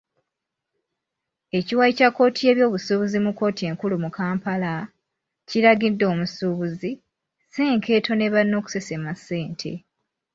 Ekiwayi kya kkooti y'ebyobusuubuzi mu kkooti enkulu mu Kampala, kiragidde omusuubuzi, Senkeeto ne bane okusesema ssente.